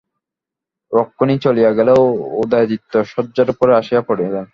রুক্মিণী চলিয়া গেলে উদয়াদিত্য শয্যার উপরে আসিয়া পড়িলেন।